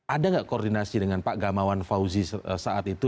ada nggak koordinasi dengan pak gamawan fauzi saat itu